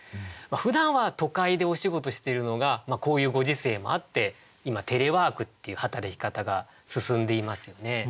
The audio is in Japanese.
ふだんは都会でお仕事してるのがこういうご時世もあって今テレワークっていう働き方が進んでいますよね。